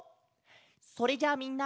それじゃあみんな。